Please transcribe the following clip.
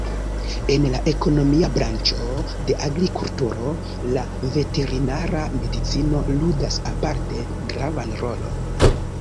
En la ekonomia branĉo de agrikulturo la veterinara medicino ludas aparte gravan rolon.